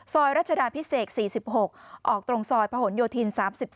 ซอยรัชดาพิเศก๔๖ออกตรงซอยพหลโยธิน๓๓